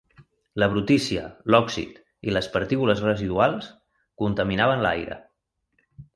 La brutícia, l'òxid i les partícules residuals contaminaven l'aire.